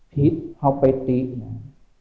พิษเอาไปติ๊ภ่า